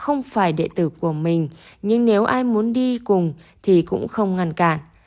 không phải địa tử của mình nhưng nếu ai muốn đi cùng thì cũng không ngăn cản